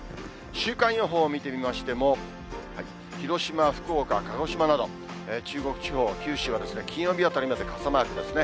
週間予報を見てみましても、広島、福岡、鹿児島など、中国地方、九州は金曜日あたりまで傘マークですね。